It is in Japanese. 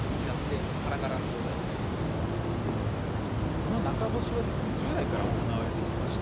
この中干しは従来から行われてきました。